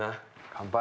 乾杯！